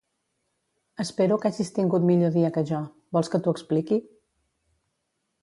Espero que hagis tingut millor dia que jo; vols que t'ho expliqui?